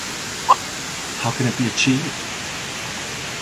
How can it be achieved?